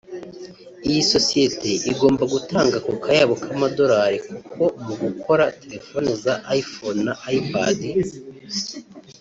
Iyi sosiyete igomba gutanga aka kayabo k’amadorali kuko mu gukora telefone za iPhone na iPad